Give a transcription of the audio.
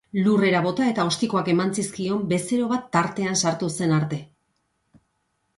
Lurrera bota eta ostikoak eman zizkion bezero bat tartean sartu zen arte.